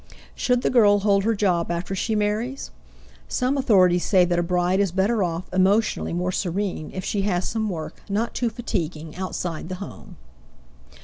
Should the girl hold her job after she marries? Some authorities say that a bride is better off, emotionally more serene, if she has some work not too fatiguing outside the home.